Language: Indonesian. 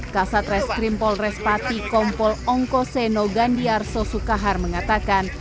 kasat reskrimpol respati kompol ongko seno gandiar sosukahar mengatakan